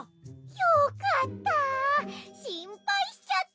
よかった。